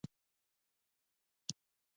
مصنوعي ځیرکتیا د انساني تصمیمونو بشپړتیا زیاتوي.